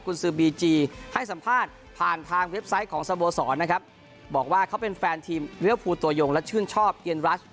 คุณซื้อบีจีให้สัมภาษณ์ผ่านทางเว็บไซต์ของสโมสรนะครับบอกว่าเขาเป็นแฟนทีมเรียวฟูตัวยงและชื่นชอบเอียนรัช